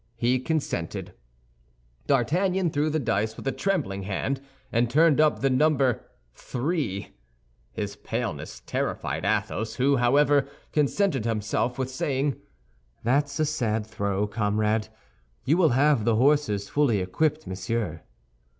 He consented. D'Artagnan threw the dice with a trembling hand, and turned up the number three; his paleness terrified Athos, who, however, consented himself with saying, "That's a sad throw, comrade; you will have the horses fully equipped, monsieur."